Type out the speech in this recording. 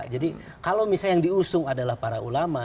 jadi kalau misalnya yang diusung adalah para ulama